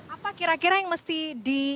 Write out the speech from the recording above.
apa kira kira yang mesti di